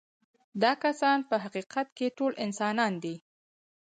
دا کسان په حقیقت کې ټول انسانان دي.